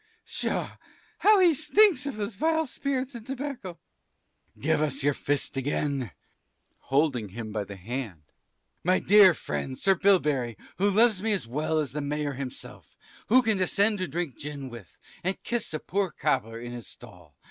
Pshaw, how he stinks of those vile spirits and tobacco. (aside.) Cris. Give us your fist again (holding him by the hand), my dear friend, Sir Bilberry, who loves me as well as the mayor himself, who can descend to drink gin with, and kiss a poor cobbler in his stall.